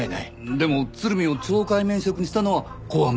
でも鶴見を懲戒免職にしたのは公安部長でしょ？